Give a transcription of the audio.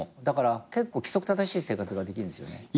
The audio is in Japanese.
だから結構規則正しい生活ができるんですよね。